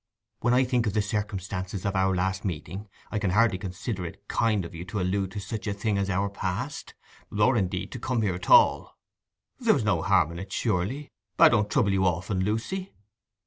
'When I think of the circumstances of our last meeting, I can hardly consider it kind of you to allude to such a thing as our past—or, indeed, to come here at all.' 'There was no harm in it surely? I don't trouble you often, Lucy.